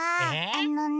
あのね。